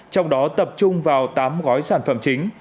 trong đó tập trung vào tám gói sản phẩm chính